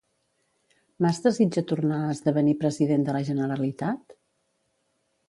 Mas desitja tornar a esdevenir president de la Generalitat?